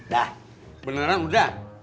dah beneran udah